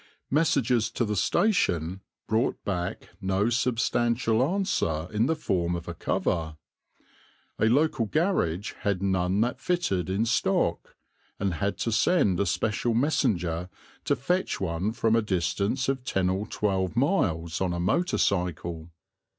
Messages to the station brought back no substantial answer in the form of a cover. A local garage had none that fitted in stock, and had to send a special messenger to fetch one from a distance of ten or twelve miles on a motor cycle.